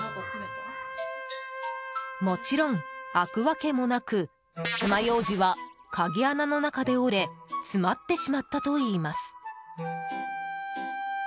もちろん開くわけもなくつまようじは鍵穴の中で折れ詰まってしまったといいます。